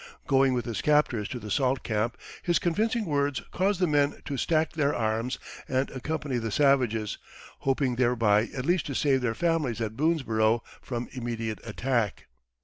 Going with his captors to the salt camp, his convincing words caused the men to stack their arms and accompany the savages, hoping thereby at least to save their families at Boonesborough from immediate attack.